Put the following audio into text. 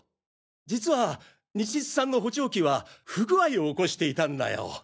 実は西津さんの補聴器は不具合を起こしていたんだよ。